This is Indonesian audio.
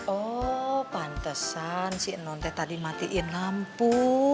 oh pantesan si nonte tadi matiin lampu